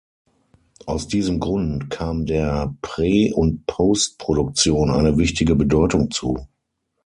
Aus diesem Grund kam der Pre- und Postproduktion eine wichtige Bedeutung zu.